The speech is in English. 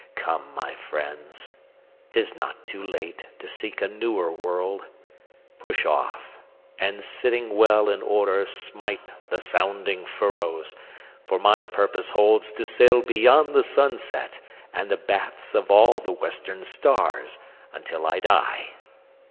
Come, my friends, 'T is not too late to seek a newer world. Push off, and sitting well in order smite The sounding furrows; for my purpose holds To sail beyond the sunset, and the baths Of all the western stars, until I die.